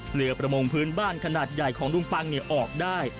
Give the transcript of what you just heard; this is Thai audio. เรือประมงพื้นบ้านขนาดใหญ่ของลุงปังออกได้